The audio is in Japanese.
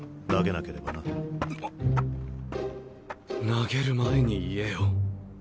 投げる前に言えよ。